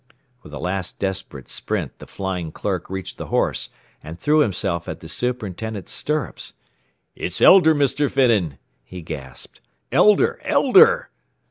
With a last desperate sprint the flying clerk reached the horse and threw himself at the superintendent's stirrups. "It's Elder, Mr. Finnan!" he gasped. "Elder! Elder!"